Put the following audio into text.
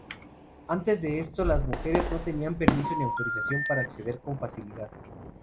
Antes de esto, las mujeres no tenían permiso ni autorización para acceder con facilidad.